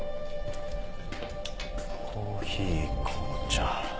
コーヒー紅茶。